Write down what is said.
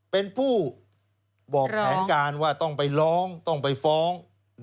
เป็นผู้บอกแผนการว่าต้องไปร้องต้องไปฟ้อง